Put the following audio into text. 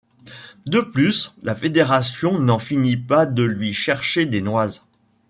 De plus la fédération n'en finit pas de lui chercher des noises.